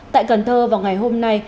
tại cần thơ vào ngày hôm nay